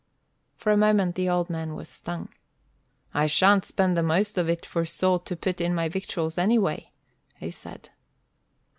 For a moment the old man was stung. "I sha'n't spend the most of it for salt to put in my victuals anyway," he said.